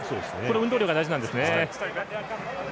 運動量が大事なんですね。